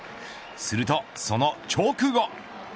するとその直後。